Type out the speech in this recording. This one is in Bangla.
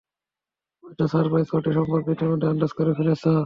হয়তো সারপ্রাইজ পার্টি সম্পর্কে ইতোমধ্যেই আন্দাজ করে ফেলেছ!